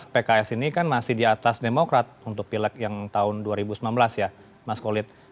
pks ini kan masih di atas demokrat untuk pileg yang tahun dua ribu sembilan belas ya mas kolit